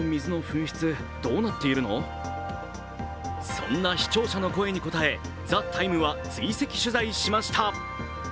そんな視聴者の声に応え「ＴＨＥＴＩＭＥ，」は追跡取材しました。